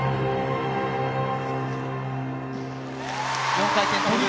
４回転トウループ。